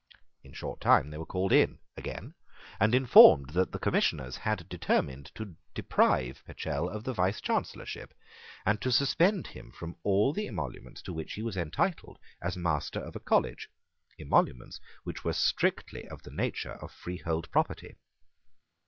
In a short time they were called in, again, and informed that the Commissioners had determined to deprive Pechell of the Vicechancellorship, and to suspend him from all the emoluments to which he was entitled as Master of a college, emoluments which were strictly of the nature of freehold property.